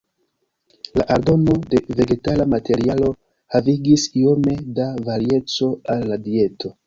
La aldono de vegetala materialo havigis iome da varieco al la dieto.